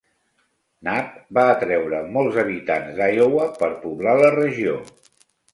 Knapp va atreure molts habitants d'Iowa per poblar la regió.